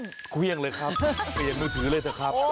ไม่เครื่องเลยครับเปลี่ยนมือถือเลยสิครับ